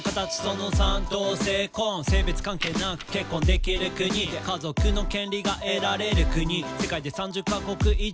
「性別関係なく結婚できる国」「家族の権利が得られる国」「世界で３０カ国以上」